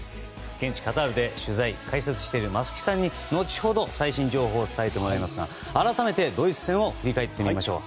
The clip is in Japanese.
現地カタールで取材、解説している松木さんに最新情報を伝えてもらいますが改めてドイツ戦を振り返ってもらいましょう。